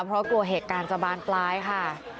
เพราะกลัวเหตุการณ์จะบานปลายค่ะ